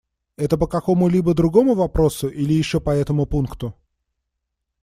Это по какому-либо другому вопросу или еще по этому пункту?